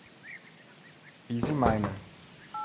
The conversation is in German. Wie Sie meinen.